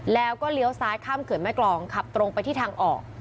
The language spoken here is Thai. แล้วก็เลี้ยวซ้ายข้ามเขื่อนแม่กรองขับตรงไปที่ทางออก